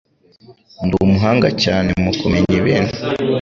Ndi umuhanga cyane mu kumenya ibintu.